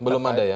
belum ada ya